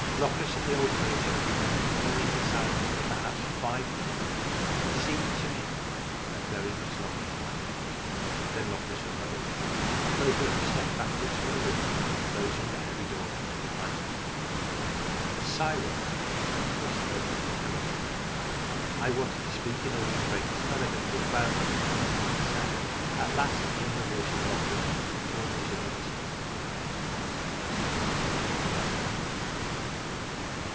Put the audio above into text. Locris and the old verger re mained kneeling in silence for perhaps five minutes, but it seemed to me a very much longer time. Then Locris arose, and both of them stepped backwards from the room, closing the heavy door behind them. The silence was perfectly terrible. I wanted to speak, in order to break the spell of it, but found nothing to say. At last came the voice of Locris, almost in a whisper. " Now do you understand